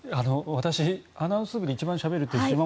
私、アナウンス部で一番しゃべると。